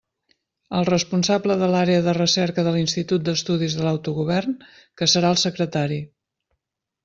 El responsable de l'Àrea de Recerca de l'Institut d'Estudis de l'Autogovern, que serà el secretari.